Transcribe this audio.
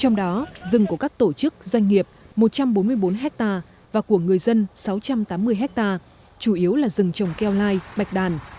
trong đó rừng của các tổ chức doanh nghiệp một trăm bốn mươi bốn hectare và của người dân sáu trăm tám mươi hectare chủ yếu là rừng trồng keo lai bạch đàn